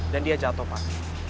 dan dia jatoh pak